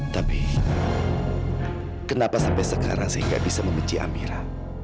tapi kenapa sampai sekarang saya gak bisa membenci amira